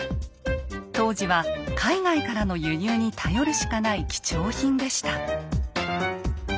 当時は海外からの輸入に頼るしかない貴重品でした。